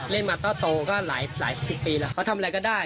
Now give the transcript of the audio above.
เล่นมาก็โตก็หลายสิบปีแล้วเขาทำอะไรก็ได้